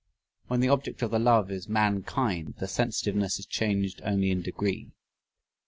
When the object of the love is mankind the sensitiveness is changed only in degree.